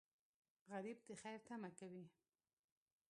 غریب د خیر تمه کوي